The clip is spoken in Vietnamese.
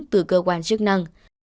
từ cơ quan chức năng